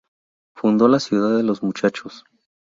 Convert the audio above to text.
Fundó la Ciudad de los Muchachos.